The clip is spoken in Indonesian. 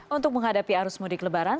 untuk menghadapi arus mudik lebaran